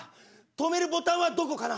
止めるボタンはどこかな？